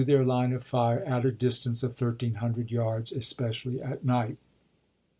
their line of fire at a distance of thirteen hundred yards, especially at night.